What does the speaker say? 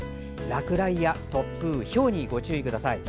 落雷や突風、ひょうにご注意ください。